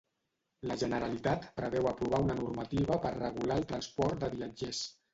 La Generalitat preveu aprovar una normativa per regular el transport de viatgers.